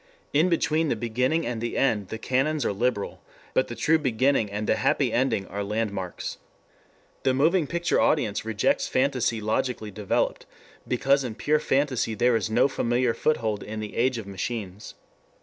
In between the beginning and the end the canons are liberal, but the true beginning and the happy ending are landmarks. The moving picture audience rejects fantasy logically developed, because in pure fantasy there is no familiar foothold in the age of machines.